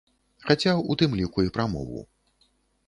Хаця ў тым ліку і пра мову.